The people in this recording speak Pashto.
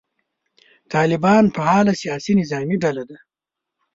طالبان فعاله سیاسي نظامي ډله ده.